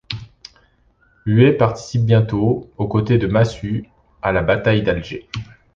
Huet participe bientôt, aux côtés de Massu, à la bataille d'Alger.